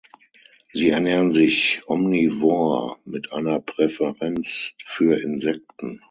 Sie ernähren sich omnivor mit einer Präferenz für Insekten.